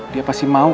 dia pasti mau